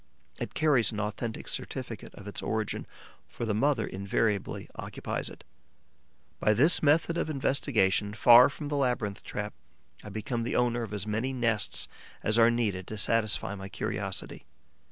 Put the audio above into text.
It carries an authentic certificate of its origin, for the mother invariably occupies it. By this method of investigation, far from the labyrinth trap, I become the owner of as many nests as are needed to satisfy my curiosity.